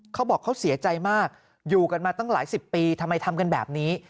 เขาบอกเขาเสียใจมากอยู่กันมาตั้งหลายสิบปีทำไมทำกันแบบนี้